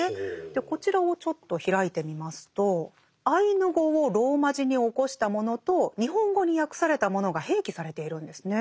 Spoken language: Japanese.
こちらをちょっと開いてみますとアイヌ語をローマ字に起こしたものと日本語に訳されたものが併記されているんですね。